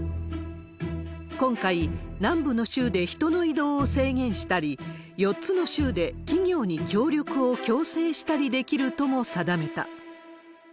今回、南部の州で人の移動を制限したり、４つの州で企業に協力を強制したりできるとも定めた。